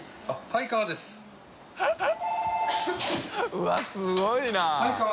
うわっすごいな。